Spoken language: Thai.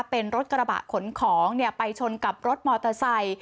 เป็นรถกระบะขนของไปชนกับรถมอเตอร์ไซค์